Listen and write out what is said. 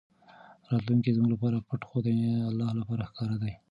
راتلونکی زموږ لپاره پټ خو د الله لپاره ښکاره دی.